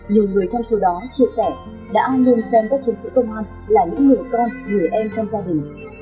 nhiều người trong số đó chia sẻ đã luôn xem các chiến sĩ công an là những người con người em trong gia đình